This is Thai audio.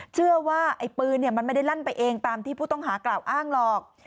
เชื่อว่าไอ้ปืนมันไม่ได้ลั่นไปเองตามที่ผู้ต้องหากล่าวอ้างหรอก